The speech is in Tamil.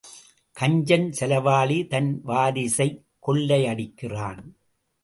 கஞ்சன் செலவாளி தன் வாரிசைக் கொள்ளையடிக்கிறான்.